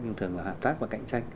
nhưng thường là hợp tác và cạnh tranh